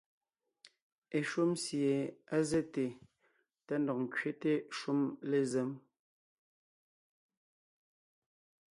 Eshúm sie á zɛ́te tá ńdɔg ńkẅéte shúm lézém.